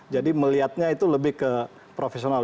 jadi melihatnya itu lebih ke profesional